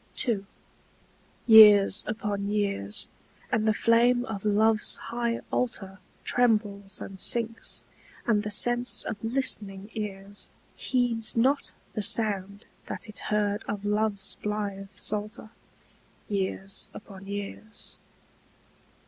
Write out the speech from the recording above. II. Years upon years, and the flame of love's high altar Trembles and sinks, and the sense of listening ears Heeds not the sound that it heard of love's blithe psalter Years upon years.